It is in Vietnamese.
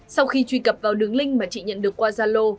sau khi truy cập vào đường link mà chị nhận được qua gia lô